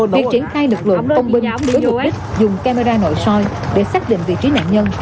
việc triển khai lực lượng công binh đối với mục đích dùng camera nội soi để xác định vị trí nạn nhân